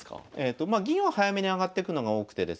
まあ銀を早めに上がってくのが多くてですね